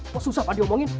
kok susah pak diomongin